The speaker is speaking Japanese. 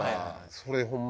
それホンマ